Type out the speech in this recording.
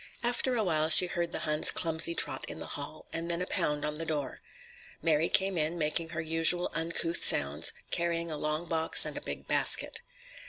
After a while she heard the Hun's clumsy trot in the hall, and then a pound on the door. Mary came in, making her usual uncouth sounds, carrying a long box and a big basket.